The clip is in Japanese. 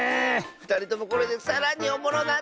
ふたりともこれでさらにおもろなったんちゃう